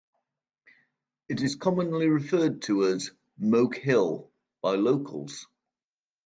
It is commonly referred to as "Moke Hill" by locals.